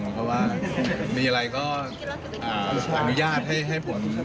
เพราะว่ามีอะไรก็อนุญาตให้ผล